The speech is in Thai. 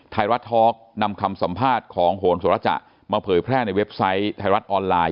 ไทยรัฐทอล์กนำคำสัมภาษณ์ของโหนสุรจะมาเผยแพร่ในเว็บไซต์ไทยรัฐออนไลน์